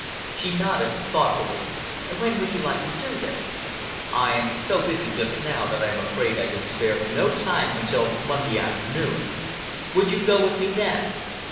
She nodded thoughtfully. "When would you like to do this?" "I am so busy just now that I am afraid I can spare no time until Monday afternoon. Would you go with me then?"